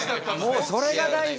もうそれが大事。